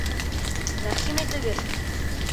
Рәхим итегеҙ!..